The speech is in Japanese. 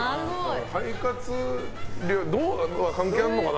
肺活量は関係あるのかな？